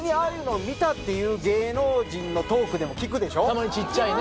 たまにちっちゃいね。